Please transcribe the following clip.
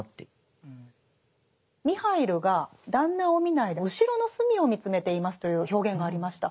「ミハイルがだんなを見ないで後ろの隅を見つめています」という表現がありました。